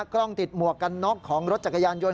กล้องติดหมวกกันน็อกของรถจักรยานยนต